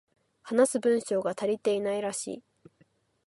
話す文章が足りていないらしい